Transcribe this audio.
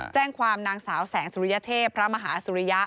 แจ้งความนางสาวแสงสุริยเทพพระมหาสุริยะ